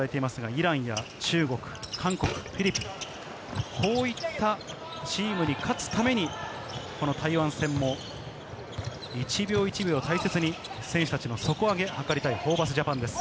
イランや中国、韓国、フィリピン、こういったチームに勝つために、台湾戦も１秒１秒を大切に選手たちの底上げを図りたいホーバスＪＡＰＡＮです。